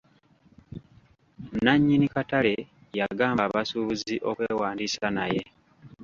Nannyini katale yagamba abasuubuzi okwewandiisa naye.